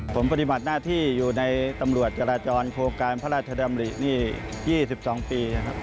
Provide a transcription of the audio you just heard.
ผมปฏิบัติหน้าที่อยู่ในตำรวจจราจรโครงการพระราชดำรินี่๒๒ปีนะครับ